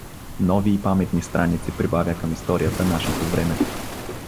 Нови и паметни страници прибавя към историята нашето време.